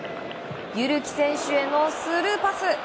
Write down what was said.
汰木選手へのスルーパス。